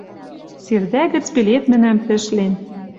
Сирдӓ гӹц пеледмӹнӓм тӹшлен.